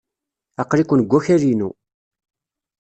Aql-iken deg wakal-inu.